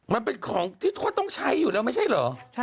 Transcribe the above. มันเป็นของที่เขาต้องใช้อยู่แล้วไม่ใช่เหรอ